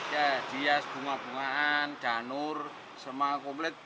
ya dihias bunga bungaan janur semuanya komplet